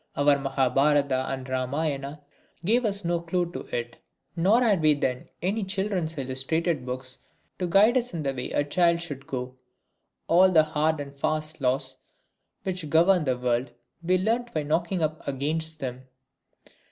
Our Mahabharata and Ramayana gave us no clue to it. Nor had we then any children's illustrated books to guide us in the way a child should go. All the hard and fast laws which govern the world we learnt by knocking up against them.